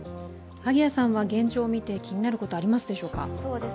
萩谷さんは現状を見て気になることはありますでしょうか？